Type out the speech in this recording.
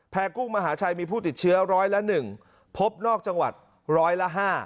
กุ้งมหาชัยมีผู้ติดเชื้อร้อยละ๑พบนอกจังหวัดร้อยละ๕